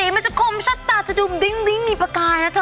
มันจะคมชัดตาจะดูบริ้งมีประกายนะเธอ